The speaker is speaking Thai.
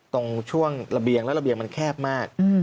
ตรงช่วงระเบียงแล้วระเบียงมันแคบมาก